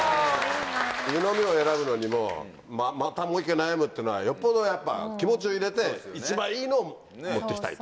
湯飲みを選ぶのにもまたもう１回悩むっていうのはよっぽどやっぱ気持ちを入れて一番いいのを持って行きたいと。